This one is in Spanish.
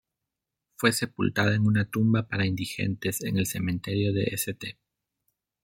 Fue sepultada en una tumba para indigentes en el Cementerio de St.